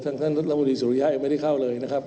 ท่านรมดิสุริยะไม่ได้เข้าเลยนะครับ